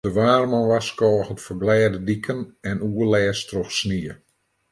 De waarman warskôget foar glêde diken en oerlêst troch snie.